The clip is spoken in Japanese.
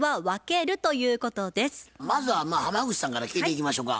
まずは浜口さんから聞いていきましょか。